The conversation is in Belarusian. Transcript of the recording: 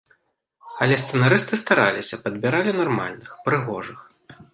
Але сцэнарысты стараліся, падбіралі нармальных, прыгожых.